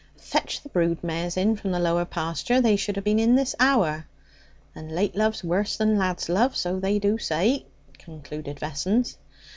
"' 'Fetch the brood mares in from the lower pasture. They should have been in this hour.' 'And late love's worse than lad's love, so they do say,' concluded Vessons.